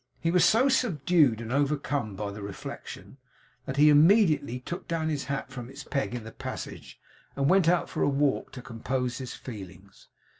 He was so subdued and overcome by the reflection, that he immediately took down his hat from its peg in the passage, and went out for a walk, to compose his feelings.